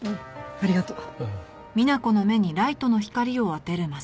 ありがとう。